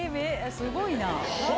すごいな。